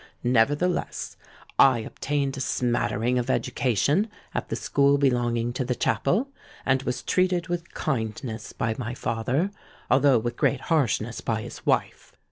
Nevertheless, I obtained a smattering of education at the school belonging to the chapel, and was treated with kindness by my father, although with great harshness by his wife.